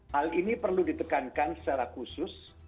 hal ini perlu ditekankan secara khusus